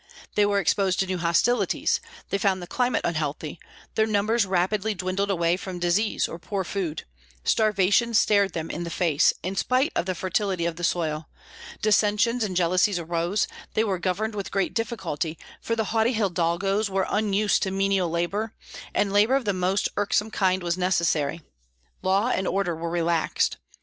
They were exposed to new hostilities: they found the climate unhealthy; their numbers rapidly dwindled away from disease or poor food; starvation stared them in the face, in spite of the fertility of the soil; dissensions and jealousies arose; they were governed with great difficulty, for the haughty hidalgoes were unused to menial labor, and labor of the most irksome kind was necessary; law and order were relaxed.